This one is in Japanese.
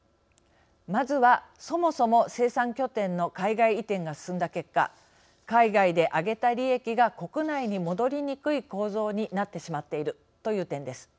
まずはそもそも生産拠点の海外移転が進んだ結果海外で上げた利益が国内に戻りにくい構造になってしまっているという点です。